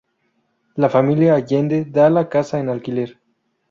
La familia Allende da la casa en alquiler.